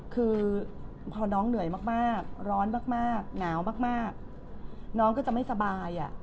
คือพอน้องเหนื่อยมากร้อนมากหนาวมากน้องก็จะไม่สบาย